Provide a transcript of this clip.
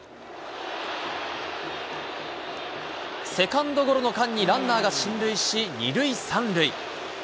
セカンドゴロの間にランナーが進塁し、２塁３塁。